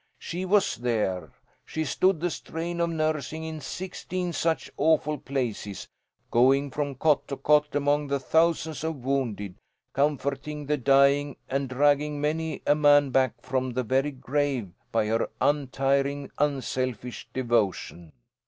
She was there. She stood the strain of nursing in sixteen such awful places, going from cot to cot among the thousands of wounded, comforting the dying, and dragging many a man back from the very grave by her untiring, unselfish devotion.